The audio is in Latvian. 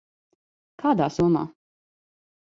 Kādā somā?